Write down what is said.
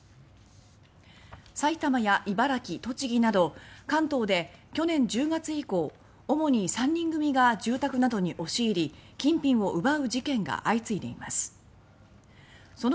埼玉や茨城、栃木など関東で去年１０月以降主に３人組が住宅などに押し入り金品を奪う事件が相次いでいます。